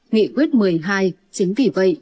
nghị quyết một mươi hai chính vì vậy